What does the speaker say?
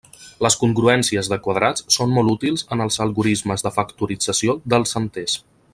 Les congruències de quadrats són molt útils en els algorismes de factorització dels enters.